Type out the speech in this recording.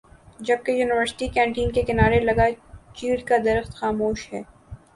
جبکہ university canteen کے کنارے لگا چیڑ کا درخت خاموش ہے